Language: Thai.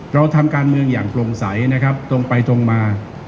เราทำการเมืองอย่างโปร่งใสนะครับตรงไปตรงมา